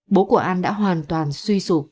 bố của an đã hoàn toàn suy sụp